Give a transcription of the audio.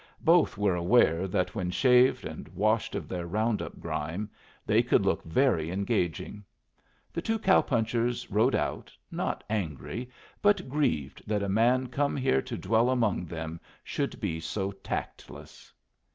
Both were aware that when shaved and washed of their round up grime they could look very engaging. The two cow punchers rode out, not angry, but grieved that a man come here to dwell among them should be so tactless.